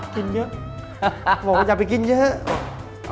กินเยอะบอกว่าอย่าไปกินเยอะ